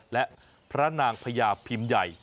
และพระนางพญาพิมพ์ใหญ่